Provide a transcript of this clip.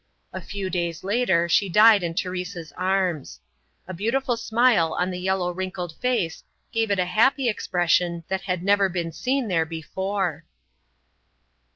A few days later she died in Teresa's arms. A beautiful smile on the yellow wrinkled face gave it a happy expression that had never been seen there before.